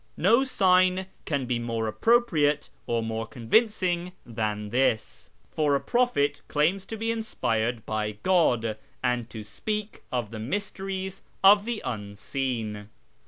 No sign can be more appropriate or more convincing than this. For a prophet claims to be in spired by God, and to speak of the mysteries of the Unseen.